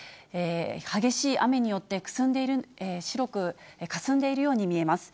激しい雨によって、白くかすんでいるように見えます。